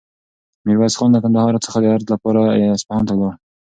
میرویس خان له کندهار څخه د عرض لپاره اصفهان ته ولاړ.